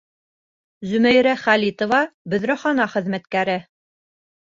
Зөмәйрә ХӘЛИТОВА, бөҙрәхана хеҙмәткәре: